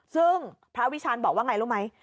ซึ่งพระวิชาณบอกว่าไงรู้ไหม